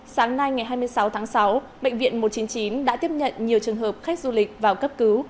sáng nay ngày hai mươi sáu tháng sáu bệnh viện một trăm chín mươi chín đã tiếp nhận nhiều trường hợp khách du lịch vào cấp cứu